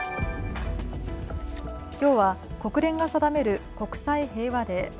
きょうは国連が定める国際平和デー。